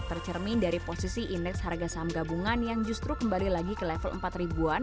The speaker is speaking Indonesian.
tercermin dari posisi indeks harga saham gabungan yang justru kembali lagi ke level empat ribuan